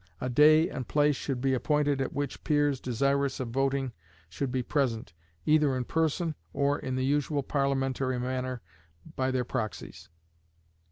A day and place should be appointed at which peers desirous of voting should be present, either in person, or, in the usual Parliamentary manner, by their proxies.